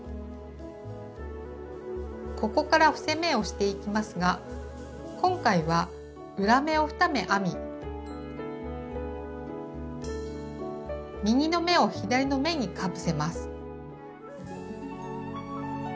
ここから伏せ目をしていきますが今回は裏目を２目編み右の目を左の目にかぶせます。